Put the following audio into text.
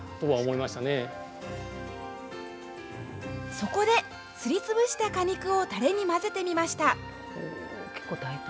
そこで、すりつぶした果肉をたれに混ぜてみました。